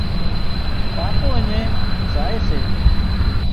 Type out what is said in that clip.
ڪاڪو اڃين زائي سي